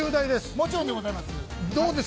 ◆もちろんでございます。